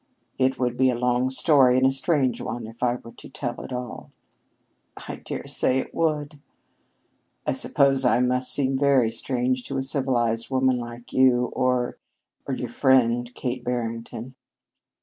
It would be a long story and a strange one if I were to tell it all." "I dare say it would." "I suppose I must seem very strange to a civilized woman like you, or or your friend, Kate Barrington."